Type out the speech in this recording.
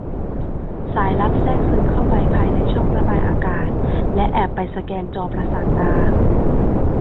สายลับแทรกซึมเข้าไปภายในช่องระบายอากาศและแอบไปสแกนจอประสาทตา